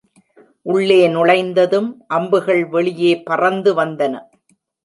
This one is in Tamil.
உள்ளே நுழைந்ததும் அம்புகள் வெளியே பறந்து வந்தன.